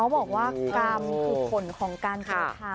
เขาบอกว่ากรรมคือผลของการประทาน